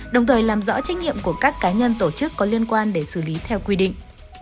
đồng thời làm rõ trách nhiệm của các cá nhân tổ chức có liên quan để xử lý theo quy định